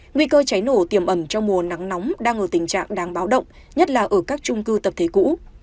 nguy cơ cháy nổ tiềm ẩn trong mùa nắng nóng đang ở tình trạng đáng báo động nhất là ở các trung cư tập thể cũ